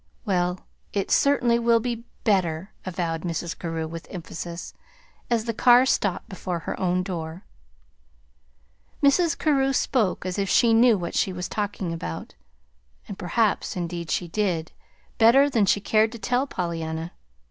"Well, it certainly will be better," avowed Mrs. Carew with emphasis, as the car stopped before her own door. Mrs. Carew spoke as if she knew what she was talking about. And perhaps, indeed, she did better than she cared to tell Pollyanna.